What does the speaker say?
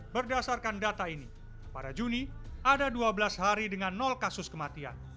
berdasarkan data ini pada juni ada dua belas hari dengan kasus kematian